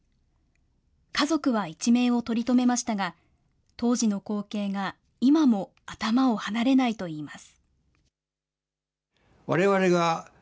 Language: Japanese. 家族は一命を取り留めましたが、当時の光景が今も頭を離れないといいます。